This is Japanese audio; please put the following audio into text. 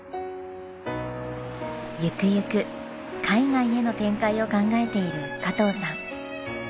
行く行く海外への展開を考えている加藤さん。